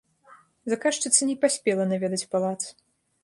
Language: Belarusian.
Заказчыца не паспела наведаць палац.